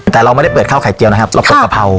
แต่เราไม่ได้เปิดข้าวไข่เจียวนะครับเราเปิดกะเพรา